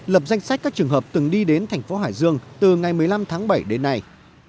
lập danh sách các trường hợp từng đi đến thành phố hải dương từ ngày một mươi năm tháng bảy đến nay